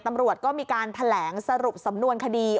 ตำรวจก็มีการแถลงสรุปสำนวนคดี